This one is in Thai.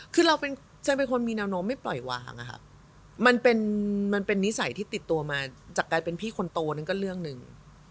คือเราจะเป็นคนมีแนวโน้มไม่ปล่อยวางอะค่ะมันเป็นนิสัยที่ติดตัวมาจากการเป็นพี่คนโตนั้นก็เรื่องหนึ่ง